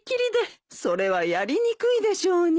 それはやりにくいでしょうに。